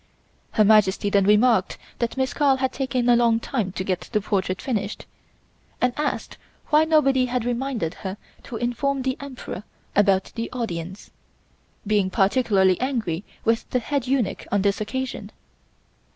Her Majesty then remarked that Miss Carl had taken a long time to get the portrait finished, and asked why nobody had reminded her to inform the Emperor about the audience, being particularly angry with the head eunuch on this occasion.